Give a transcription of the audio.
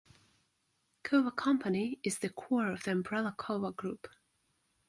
Kowa Company is the core of the umbrella Kowa Group.